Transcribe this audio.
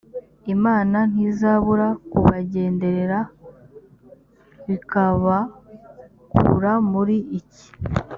imana ntizabura kubagenderera ikabakura muri iki